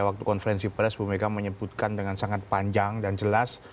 waktu konferensi pers bu mega menyebutkan dengan sangat panjang dan jelas